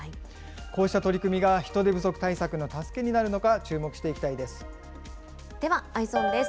こうした取り組みが人手不足対策の助けになるのか注目していきたではＥｙｅｓｏｎです。